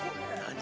何？